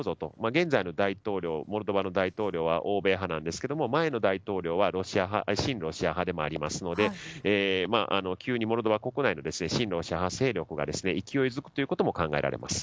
現在のモルドバの大統領は欧米派なんですけど前の大統領は親ロシア派でもありますので急にモルドバ国内で親ロシア派勢力が勢いづくということも考えられます。